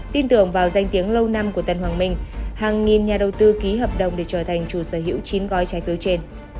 tin tưởng vào danh tiếng lâu năm của tân hoàng minh hàng nghìn nhà đầu tư ký hợp đồng để trở thành chủ sở hữu chín gói trái phiếu trên